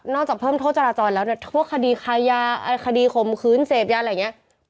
จากเพิ่มโทษจราจรแล้วเนี่ยพวกคดีคายาคดีข่มขืนเสพยาอะไรอย่างนี้